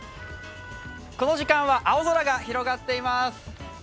この時間は青空が広がっています。